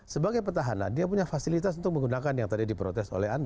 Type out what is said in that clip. sebagai pertahanan dia punya fasilitas untuk menggunakan yang tadi di protes oleh andre